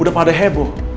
udah pada heboh